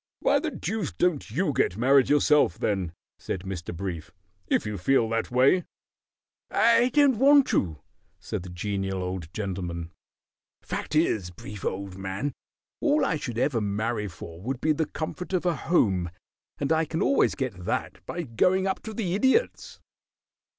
"Why the deuce don't you get married yourself, then," said Mr. Brief. "If you feel that way " "I don't want to," said the Genial Old Gentleman. "Fact is, Brief, old man, all I should ever marry for would be the comfort of a home, and I can always get that by going up to the Idiot's."